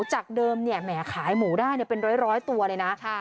จากเดิมเนี่ยแหมขายหมูได้เป็นร้อยตัวเลยนะ